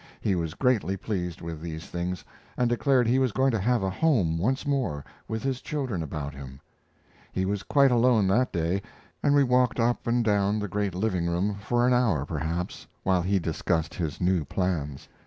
He was greatly pleased with these things, and declared he was going to have a home once more with his children about him. He was quite alone that day, and we walked up and down the great living room for an hour, perhaps, while he discussed his new plans.